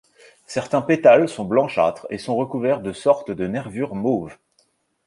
Certains pétales sont blanchâtres et sont recouverts de sortes de nervures mauves.